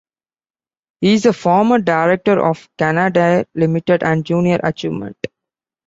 He is a former director of Canadair Limited and Junior Achievement.